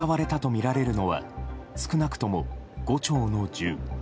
使われたとみられるのは少なくとも５丁の銃。